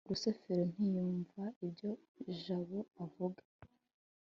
rusufero ntiyumva ibyo jabo avuga